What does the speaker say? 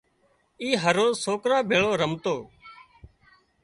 اي هروز سوڪران ڀيۯو رمتو